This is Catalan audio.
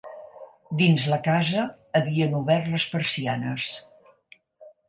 Dins la casa, havien obert les persianes.